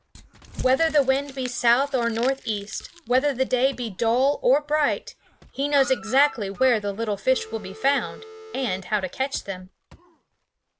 Whether the wind be south or northeast, whether the day be dull or bright, he knows exactly where the little fish will be found, and how to catch them.